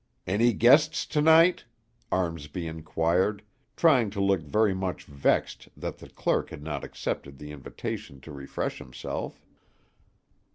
"Any guests to night?" Armsby inquired, trying to look very much vexed that the clerk had not accepted the invitation to refresh himself.